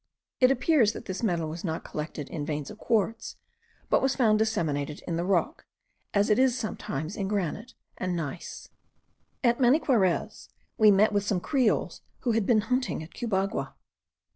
It appears that this metal was not collected in veins of quartz, but was found disseminated in the rock, as it is sometimes in granite and gneiss. At Maniquarez we met with some creoles, who had been hunting at Cubagua.